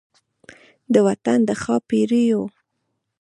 د وطن د ښا پیریو